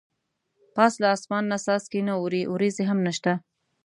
پاس له اسمان نه څاڅکي نه اوري ورېځې هم نشته.